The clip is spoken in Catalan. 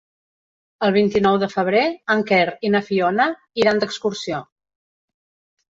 El vint-i-nou de febrer en Quer i na Fiona iran d'excursió.